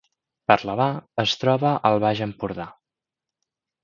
Parlavà es troba al Baix Empordà